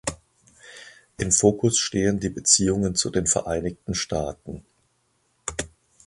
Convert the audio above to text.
Im Fokus stehen die Beziehungen zu den Vereinigten Staaten.